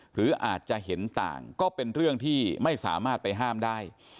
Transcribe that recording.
หรืออาจจะเห็นต่างก็เป็นเรื่องที่ไม่สามารถไปห้ามได้